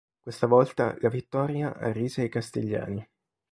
Questa volta la vittoria arrise ai castigliani.